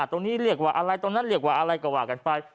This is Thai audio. เรียกว่าอะไรตรงนั้นเรียกว่าอะไรก็ว่ากันไป